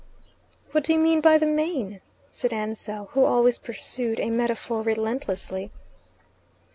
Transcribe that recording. "What do you mean by the main?" said Ansell, who always pursued a metaphor relentlessly.